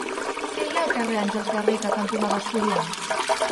Què hi ha al carrer Àngels Garriga cantonada Estudiant?